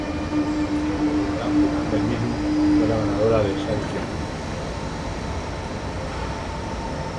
En la Gran Final del mismo, fue la ganadora de esa edición.